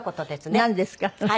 なんですか？